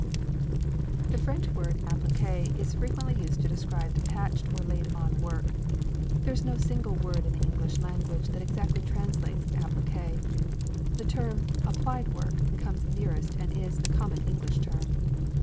The French word "appliqué" is frequently used to describe the patched or laid on work. There is no single word in the English language that exactly translates "appliqué." The term "applied work" comes nearest and is the common English term.